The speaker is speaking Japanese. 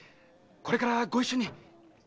これからご一緒に。